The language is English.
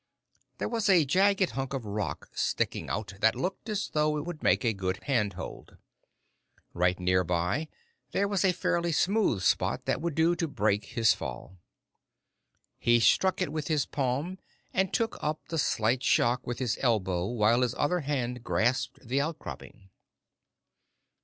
There was a jagged hunk of rock sticking out that looked as though it would make a good handhold. Right nearby, there was a fairly smooth spot that would do to brake his "fall". He struck it with his palm and took up the slight shock with his elbow while his other hand grasped the outcropping.